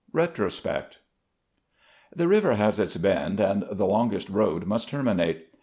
RETROSPECT. |HE river has its bend and the longest road must terminate.